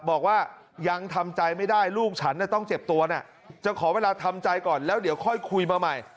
บอกว่ายังทำใจไม่ได้ลูกฉันต้องเจ็บตัวนะจะขอเวลาทำใจก่อนแล้วเดี๋ยวค่อยคุยมาใหม่